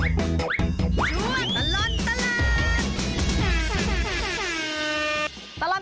ช่วงตลอดตลอด